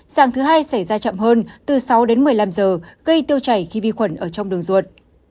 dạng thứ hai xảy ra chậm hơn từ sáu đến một mươi năm giờ gây tiêu chảy khi vi khuẩn ở trong đường ruột